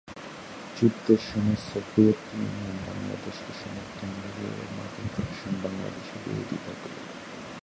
যুদ্ধের সময় Soviet Union বাংলাদেশকে সমর্থন দিলেও মার্কিন প্রশাসন বাংলাদেশের বিরোধিতা করে।